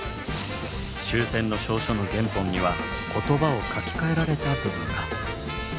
終戦の詔書の原本には言葉を書きかえられた部分が。